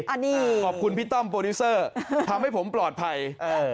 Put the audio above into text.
อ่านี่ขอบคุณพี่ต้ำบรูซเซอร์ฮึทำให้ผมปลอดภัยเออ